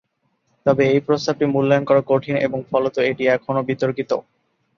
তবে এই প্রস্তাবটি মূল্যায়ন করা কঠিন, এবং ফলত এটি এখনও বিতর্কিত।